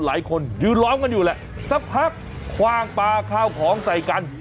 หลายคนยืนล้อมกันอยู่แหละสักพักคว่างปลาข้าวของใส่กัน